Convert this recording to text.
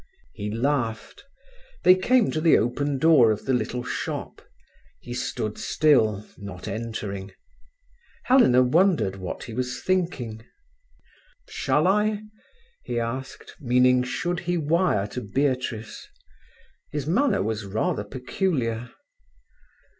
He laughed. They came to the open door of the little shop. He stood still, not entering. Helena wondered what he was thinking. "Shall I?" he asked, meaning, should he wire to Beatrice. His manner was rather peculiar.